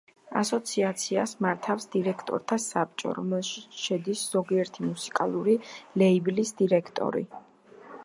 ასოციაციას მართავს დირექტორთა საბჭო, რომელშიც შედის ზოგიერთი მუსიკალური ლეიბლის დირექტორი.